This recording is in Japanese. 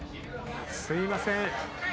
すいません。